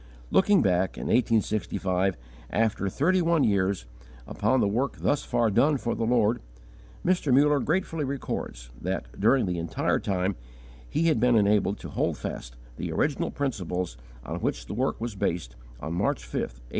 Looking back, in 1865, after thirty one years, upon the work thus far done for the Lord, Mr. Muller gratefully records that, during the entire time, he had been enabled to hold fast the original principles on which the work was based on March 5, 1834.